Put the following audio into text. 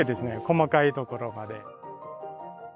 細かいところまで。